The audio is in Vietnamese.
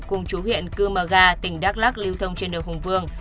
cùng chú huyện cư mờ ga tỉnh đắk lắc lưu thông trên đường hùng vương